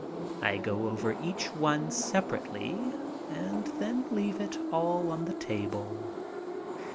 I go over each one sepa rately and then leave it all on the table.